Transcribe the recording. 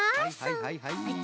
はいはいはいはい。